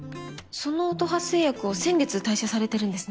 その乙葉製薬を先月退社されてるんですね。